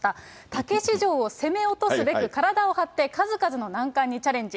たけし城を攻め落とすべく体を張って、数々の難関にチャレンジ。